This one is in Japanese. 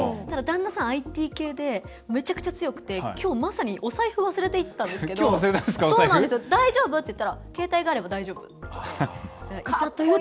ただ、旦那さんＩＴ系でめちゃくちゃ強くてきょう、まさにお財布忘れていったんですけど大丈夫？っていったら携帯あるから大丈夫って。